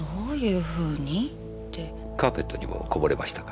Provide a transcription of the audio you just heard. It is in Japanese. カーペットにもこぼれましたか？